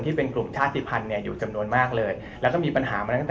ที่เป็นกลุ่มชาติภัณฑ์อยู่จำนวนมากเลย